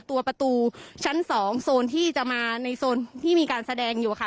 ตัวประตูชั้น๒โซนที่จะมาในโซนที่มีการแสดงอยู่ค่ะ